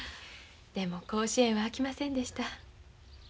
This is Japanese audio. でも甲子園はあきませんでした。